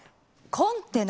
コンテナ？